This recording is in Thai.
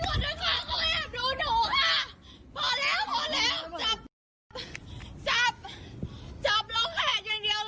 อย่างเดียวเลยพอเร็วครับดูค่ะนอนไปพี่พี่พี่ช่วยด้วยค่ะมีคน